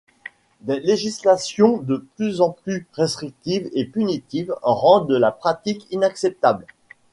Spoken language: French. Des législations de plus en plus restrictives et punitives rendent la pratique inacceptable.